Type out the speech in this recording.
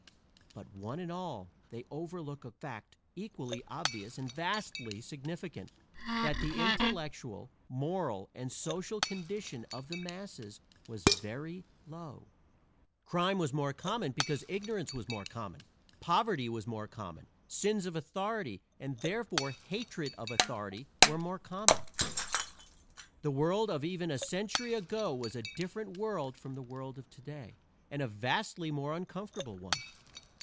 But one and all, they overlook a fact equally obvious and vastly significant, that the intellectual, moral and social condition of the masses was very low. Crime was more common because ignorance was more common, poverty was more common, sins of authority, and therefore hatred of authority, were more common. The world of even a century ago was a different world from the world of today, and a vastly more uncomfortable one.